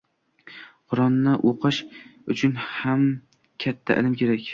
“Qur’on”ni uqish uchun ham katta ilm kerak.